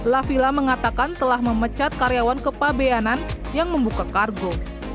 la villa mengatakan telah memecat karyawan kepabeanan yang membuka kargo